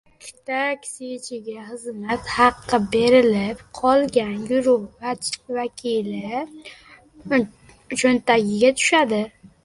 Taksichiga xizmat haqqi berilib qolgani guruh vakili choʻntagiga tushadi.